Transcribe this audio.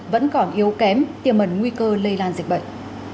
vẫn còn yếu kém tiềm ẩn nguy cơ lây lan dịch bệnh